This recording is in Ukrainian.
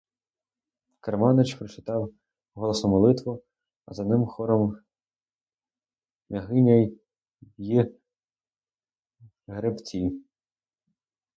Керманич прочитав голосно молитву, а за ним хором княгиня й гребці.